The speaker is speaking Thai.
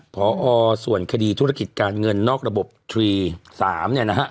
พอส่วนคดีธุรกิจการเงินนอกระบบทรี๓เนี่ยนะฮะ